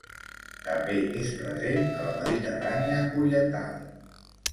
També és present a la Mediterrània oriental.